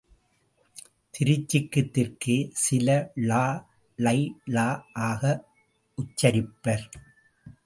திருச்சிக்குத் தெற்கே சில ழ ளை ள ஆக உச்சரிப்பர்.